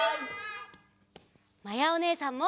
まやおねえさんも。